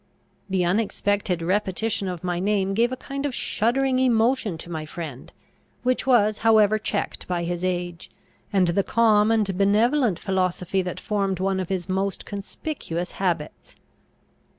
The unexpected repetition of my name gave a kind of shuddering emotion to my friend, which was however checked by his age, and the calm and benevolent philosophy that formed one of his most conspicuous habits.